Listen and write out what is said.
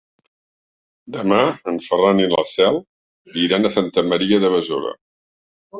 Demà en Ferran i na Cel iran a Santa Maria de Besora.